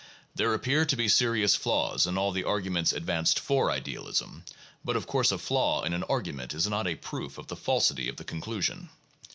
There appear to be serious flaws in all the arguments advanced for idealism, but of course a flaw in an argument is not a proof of the falsity of the con clusion.